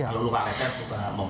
kalau luka lebar juga mau malam